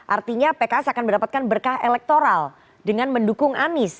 artinya pks akan mendapatkan berkah elektoral dengan mendukung anies